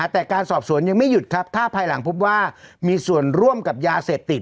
แต่การสอบสวนยังไม่หยุดครับถ้าภายหลังพบว่ามีส่วนร่วมกับยาเสพติด